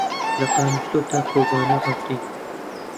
لە قامیشلۆ تا کۆبانێ و عەفرین.